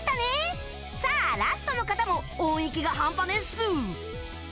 さあラストの方も音域が半端ねえっす！